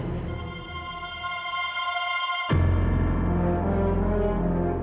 aku mau jalan